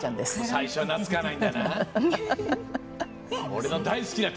最初は懐かないんだな。